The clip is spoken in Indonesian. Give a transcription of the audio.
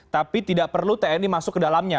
tapi tidak perlu tni masuk ke dalamnya